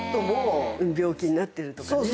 病気になってるとかね。